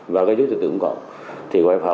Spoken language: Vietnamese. và gây rút tự tử của họ